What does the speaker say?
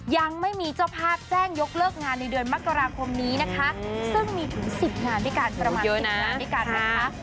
ยังไม่มีเจ้าภาพแจ้งยกเลิกงานในเดือนมกราคมนี้นะคะซึ่งมีถึง๑๐งานด้วยกันประมาณ๑๐งานด้วยกันนะคะ